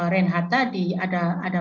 ren hatta tadi ada